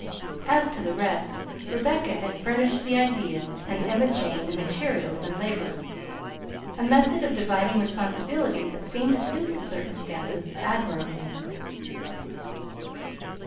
As to the rest, Rebecca had furnished the ideas and Emma Jane the materials and labor, a method of dividing responsibilities that seemed to suit the circumstances admirably.